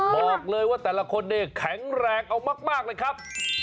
บอกเลยว่าแต่ละคนเนี่ยแข็งแรงเอามากเลยครับ